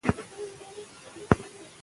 د احمدشاه بابا شخصیت د ټولو لپاره یو مثال دی.